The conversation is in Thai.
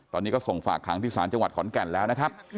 ตอนนี้ก็ส่งฝากขังที่ศาลจังหวัดขอนแก่นแล้วนะครับ